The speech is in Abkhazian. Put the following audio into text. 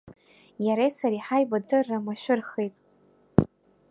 Иареи сареи ҳаибадырра машәырхеит.